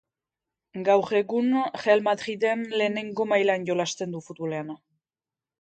Gaur egun, Real Madriden lehenengo mailan jolasten du futbolean.